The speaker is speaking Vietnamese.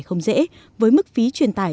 không dễ với mức phí truyền tài